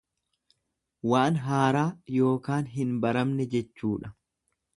Waan haaraa yookaan hin baramne jechuudha.